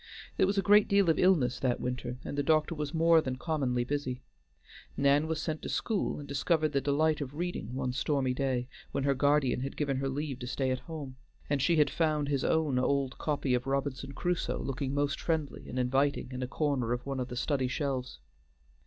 There was a great deal of illness that winter, and the doctor was more than commonly busy; Nan was sent to school, and discovered the delight of reading one stormy day when her guardian had given her leave to stay at home, and she had found his own old copy of Robinson Crusoe looking most friendly and inviting in a corner of one of the study shelves.